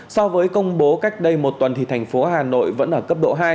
so với công bố cách đây một tuần thì thành phố hà nội vẫn ở cấp độ hai